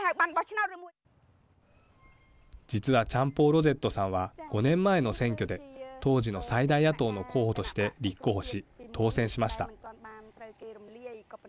実はチャンポーロゼットさんは５年前の選挙で当時の最大野党の候補として立候補し、当選しました。